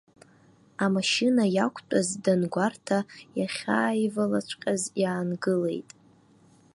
Амашьына иақәтәаз, дангәарҭа, иахьааивалаҵәҟьаз иаангылеит.